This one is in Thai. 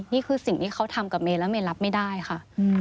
นี่คือสิ่งที่เขาทำกับเมย์แล้วเมย์รับไม่ได้ค่ะ